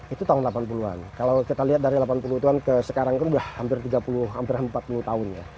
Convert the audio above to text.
itu tahun delapan puluh an kalau kita lihat dari delapan puluh an ke sekarang kan sudah hampir tiga puluh hampir empat puluh tahun ya